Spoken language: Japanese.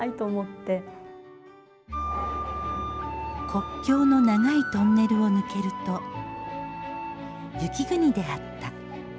国境の長いトンネルを抜けると雪国であった。